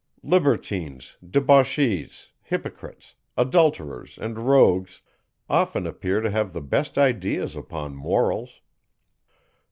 Libertines, debauchees, hypocrites, adulterers, and rogues, often appear to have the best ideas upon morals.